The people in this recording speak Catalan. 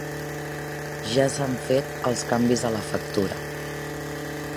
Ja s'han fet els canvis a la factura.